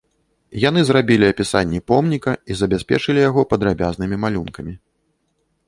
Яны зрабілі апісанне помніка і забяспечылі яго падрабязнымі малюнкамі.